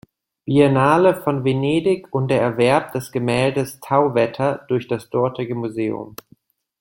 Biennale von Venedig und der Erwerb des Gemäldes "Tauwetter" durch das dortige Museum.